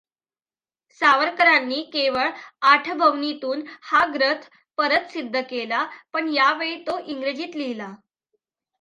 सावरकरांनी केवळ आठबवणीतून हा ग्रथ परत सिद्ध केला, पण यावेळी तो इंग्रजीत लिहिला.